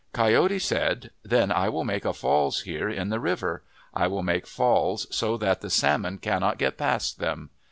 Coyote said, "Then I will make a falls here in the river. I will make falls so that the salmon cannot get past them."